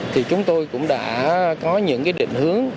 thì chúng tôi cũng đã có những định hướng